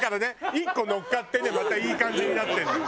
１個乗っかってねまたいい感じになってるのよ。